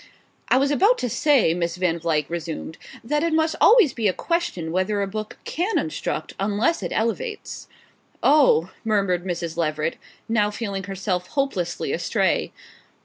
"I was about to say," Miss Van Vluyck resumed, "that it must always be a question whether a book can instruct unless it elevates." "Oh " murmured Mrs. Leveret, now feeling herself hopelessly astray.